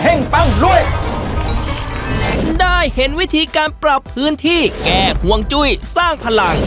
ปังด้วยได้เห็นวิธีการปรับพื้นที่แก้ห่วงจุ้ยสร้างพลัง